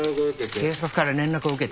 警察から連絡を受けて。